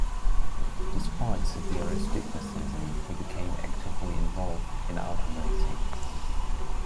Despite severe astigmatism, he became actively involved in auto racing.